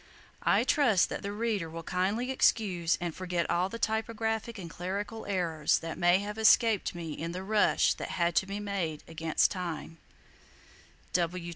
I trust that the Reader will kindly excuse and forget all the typographic and clerical errors that may have escaped me in the rush that had to be made against Time.